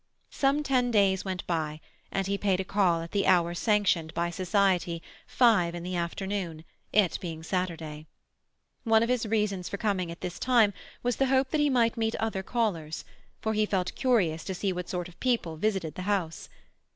Some ten days went by, and he paid a call at the hour sanctioned by society, five in the afternoon; it being Saturday. One of his reasons for coming at this time was the hope that he might meet other callers, for he felt curious to see what sort of people visited the house.